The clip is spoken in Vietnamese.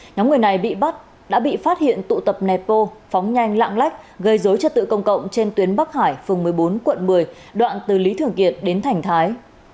nhóm người này bị bắt đã bị phát hiện tụ tập nẹp bô phóng nhanh lạng lách gây dối trật tự công cộng trên tuyến bắc hải phường một mươi bốn quận một mươi đoạn từ lý thường kiệt đến thành thái